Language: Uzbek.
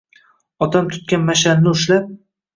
Otam tutgan mash’alni ushlab